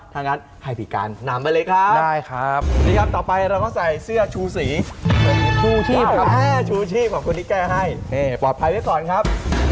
ถ้างั้นไปพี่กานหนามไปเลยครับ